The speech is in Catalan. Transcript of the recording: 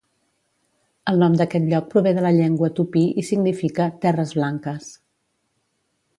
El nom d'aquest lloc prové de la llengua tupí i significa "Terres blanques"